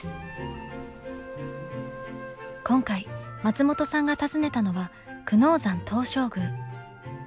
今回松本さんが訪ねたのは久能山東照宮。